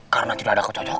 karena tidak ada kecocokan